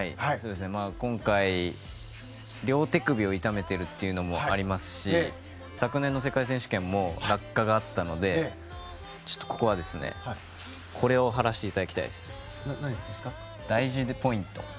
今回、両手首を痛めているというのもありますし昨年の世界選手権も落下があったのでここはこれを貼らせていただきたいです。